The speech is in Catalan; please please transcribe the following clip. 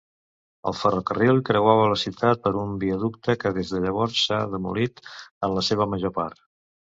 El ferrocarril creuava la ciutat per un viaducte que des de llavors s'ha demolit en la seva major part.